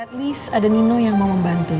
at least ada nino yang mau membantu